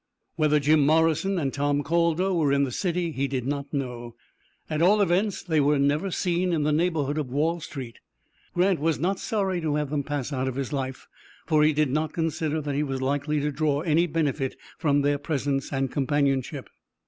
Whether Jim Morrison and Tom Calder were in the city, he did not know. At all events, they were never seen in the neighborhood of Wall Street. Grant was not sorry to have them pass out of his life, for he did not consider that he was likely to draw any benefit from their presence and companionship.